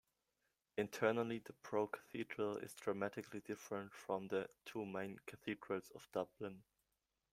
Internally, the Pro-Cathedral is dramatically different from the two main cathedrals of Dublin.